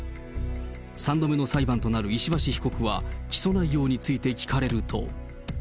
３度目の裁判となる石橋被告は、起訴内容について聞かれると。